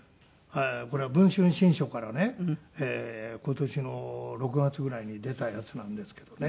これは文春新書からね今年の６月ぐらいに出たやつなんですけどね。